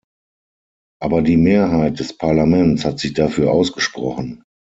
Aber die Mehrheit des Parlaments hat sich dafür ausgesprochen.